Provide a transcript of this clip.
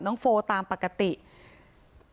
เพราะว่ามันทำได้ไม่ถูก